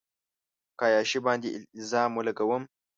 که عایشې باندې الزام لګوم